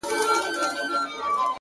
ستا د يادو لپاره،